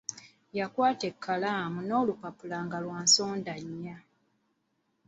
Yakwata ekalamu n'olupapula nga lwa nsonda nnya.